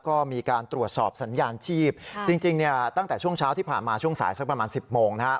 ก็มีการตรวจสอบสัญญาณชีพจริงเนี่ยตั้งแต่ช่วงเช้าที่ผ่านมาช่วงสายสักประมาณ๑๐โมงนะครับ